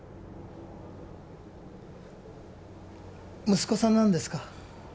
息子さんなんですか？